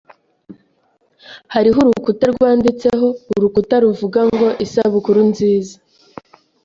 Hariho urukuta rwanditseho urukuta ruvuga ngo "Isabukuru nziza."